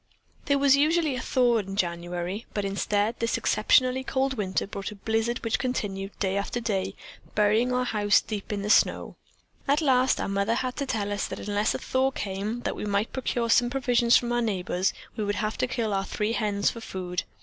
"There was usually a thaw in January, but instead, this exceptionally cold winter brought a blizzard which continued day after day, burying our house deep in snow. At last Mother had to tell us that unless a thaw came that we might procure some provisions from our neighbors, we would have to kill our three hens for food.